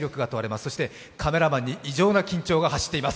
そしてカメラマンに異常な緊張が走っています。